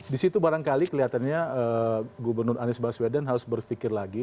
di situ barangkali kelihatannya gubernur anies baswedan harus berpikir lagi